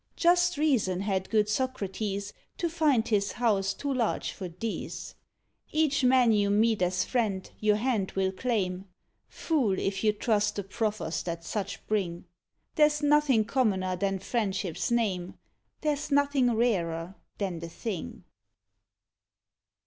Just reason had good Socrates To find his house too large for these. Each man you meet as friend, your hand will claim; Fool, if you trust the proffers that such bring. There's nothing commoner than Friendship's name; There's nothing rarer than the thing.